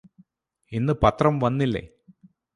ഇന്നു പത്രം വന്നില്ലേ